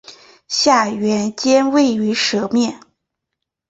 下原尖位于舌面。